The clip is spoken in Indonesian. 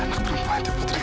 anak perempuan itu putriku